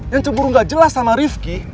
yang cemburu gak jelas sama rifki